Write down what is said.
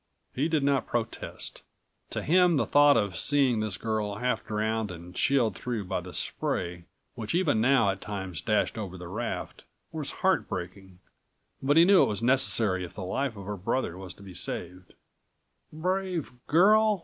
He did not protest. To him the thought of seeing this girl half drowned and chilled through by the spray which even now at times dashed over the raft, was heartbreaking, but he knew it was necessary if the life of her brother was to be saved. "Brave girl!"